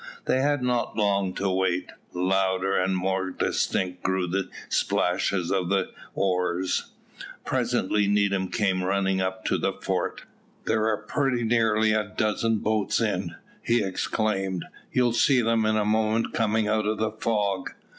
They had not long to wait. Louder and more distinct grew the splash of the oars. Presently Needham came running up to the fort. "There are pretty nearly a dozen boats in," he exclaimed; "you'll see them in a moment coming out of the fog.